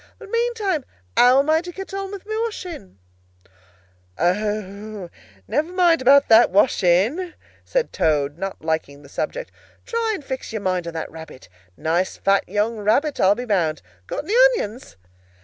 But meantime, how am I to get on with my washing?" "O, never mind about the washing," said Toad, not liking the subject. "Try and fix your mind on that rabbit. A nice fat young rabbit, I'll be bound. Got any onions?"